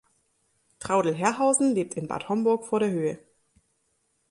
Traudl Herrhausen lebt in Bad Homburg vor der Höhe.